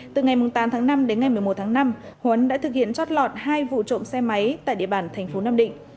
từ ngày tám tháng năm đến ngày một mươi một tháng năm huấn đã thực hiện trót lọt hai vụ trộm xe máy tại địa bàn tp nam định